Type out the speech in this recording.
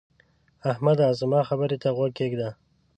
احمده! زما خبرې ته غوږ کېږده.